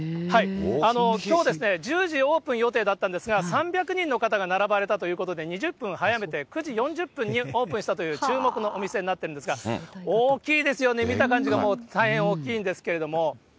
きょう１０時オープン予定だったんですが、３００人の方が並ばれたということで、２０分早めて、９時４０分にオープンしたという注目のお店になってるんですが、大きいですよね、見た感じがもう大変大きいんですけれども。